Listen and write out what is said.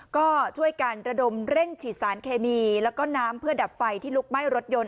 ก็ช่วยกันระดมเร่งฉีดสารเคมีแล้วก็น้ำเพื่อดับไฟที่ลุกไหม้รถยนต์